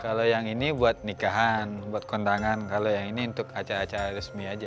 kalau yang ini buat nikahan buat kondangan kalau yang ini untuk acara acara resmi aja